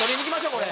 「これ！」